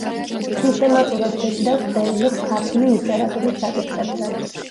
სისტემატურად ბეჭდავს წერილებს ქართული ლიტერატურის საკითხებზე.